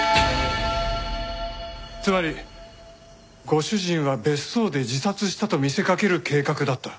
つまりご主人は別荘で自殺したと見せかける計画だった。